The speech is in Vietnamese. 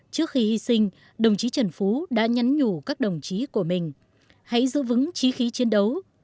trước khi hy sinh đồng chí trần phú đã nhắn nhủ các đồng chí của mình hãy giữ vững trí khí chiến đấu